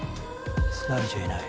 疲れちゃいない。